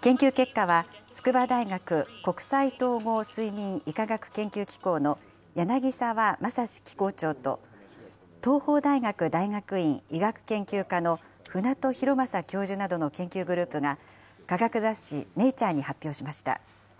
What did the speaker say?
研究結果は、筑波大学国際統合睡眠医科学研究機構の柳沢正史機構長と、東邦大学大学院医学研究科の船戸弘正教授などの研究グループが、科学雑誌ネイチャーに発表しました。